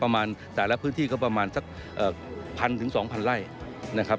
ประมาณแต่ละพื้นที่ก็ประมาณสัก๑๐๐๒๐๐ไร่นะครับ